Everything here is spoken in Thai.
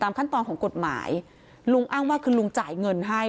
ขั้นตอนของกฎหมายลุงอ้างว่าคือลุงจ่ายเงินให้